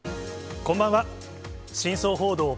こんばんは。